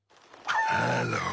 ハロー！